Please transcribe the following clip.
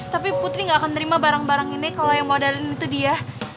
tapi putri gak akan nerima barang barang ini kalau yang modalin itu dia